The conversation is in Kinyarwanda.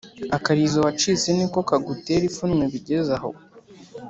Akarizo wacitse ni ko kagutera ipfunwe bigeze aho!